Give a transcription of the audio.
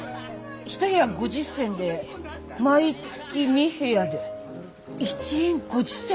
１部屋５０銭で毎月３部屋で１円５０銭だよ？